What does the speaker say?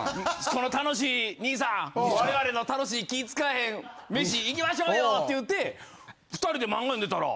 この楽しい「兄さん我々の楽しい気ぃ使えへん飯行きましょうよ」って言うて２人で漫画読んでたら。